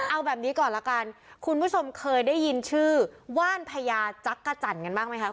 เอาแบบนี้ก่อนล่ะกันคุณผู้ชมเคยได้ยินชื่อว่านพยาจักจันทร์อย่างไรกันแบบไหนคะ